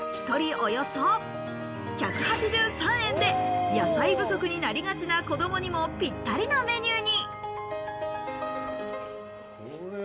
およそ１８３円で、野菜不足になりがちな子供にもぴったりなメニューに。